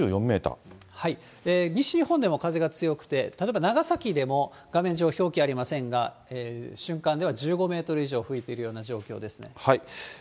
西日本でも風が強くて、例えば長崎でも、画面上、表記ありませんが、瞬間では１５メートル以上吹いているような状況ですね。